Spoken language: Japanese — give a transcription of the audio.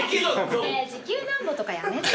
ねえ時給なんぼとかやめて。